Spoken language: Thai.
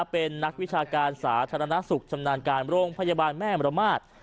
เป็นนักวิชาการสาธารณสุขชำนาญการโรงพยาบาลแม่มรมาศ